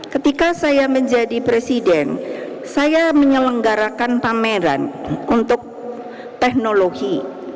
ketika saya menjadi presiden saya menyelenggarakan pameran untuk teknologi